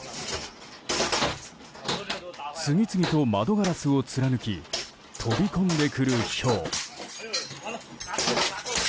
次々と窓ガラスを貫き飛び込んでくる、ひょう。